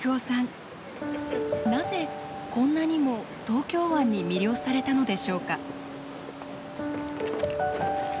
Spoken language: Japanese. なぜこんなにも東京湾に魅了されたのでしょうか。